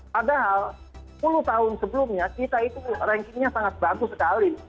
padahal sepuluh tahun sebelumnya kita itu rankingnya sangat bagus sekali